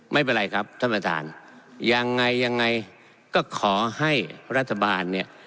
ไม่เป็นไรครับท่านประธานยังไงยังไงก็ขอให้รัฐบาลเนี่ย